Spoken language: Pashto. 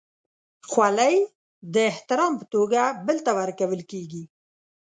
خولۍ د احترام په توګه بل ته ورکول کېږي.